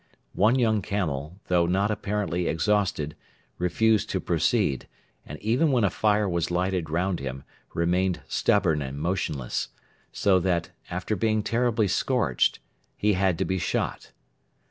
One young camel, though not apparently exhausted, refused to proceed, and even when a fire was lighted round him remained stubborn and motionless; so that, after being terribly scorched, he had to be shot.